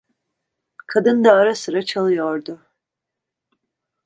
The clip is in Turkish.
Kadın da ara sıra çalıyordu.